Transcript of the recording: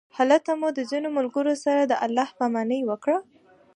هلته مو د ځینو ملګرو سره د الله پامانۍ وکړ.